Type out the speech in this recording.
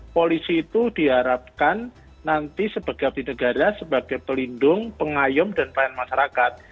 polisi itu diharapkan nanti sebagai abdi negara sebagai pelindung pengayom dan pelayanan masyarakat